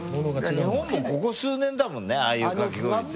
日本もここ数年だもんねああいうかき氷って。